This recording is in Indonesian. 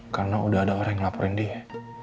karena udah ada orang yang ngelaporin dia